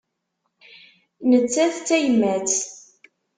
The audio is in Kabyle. Nettat d tayemmat.